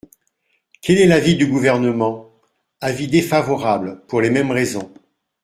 Quel est l’avis du Gouvernement ? Avis défavorable, pour les mêmes raisons.